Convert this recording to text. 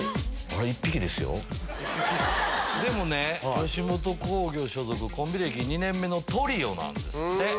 でもね吉本興業所属コンビ歴２年目のトリオなんですって。